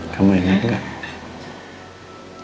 kamu enak gak